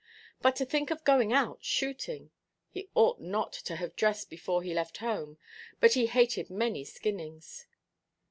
But to think of going out shooting! He ought not to have dressed before he left home, but he hated many skinnings.